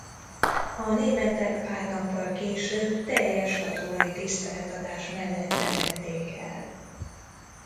A németek pár nappal később teljes katonai tiszteletadás mellett temették el.